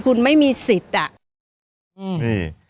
คุณแม่มีสิทธิ์อ่ะอือนี่